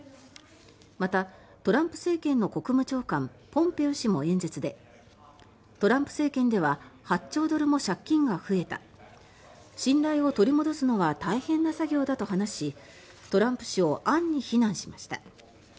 また、トランプ政権の国務長官ポンペオ氏も演説でトランプ政権では８兆ドルも借金が増えた信頼を取り戻すのは大変な作業だと話しトランプ氏を暗に非難しました。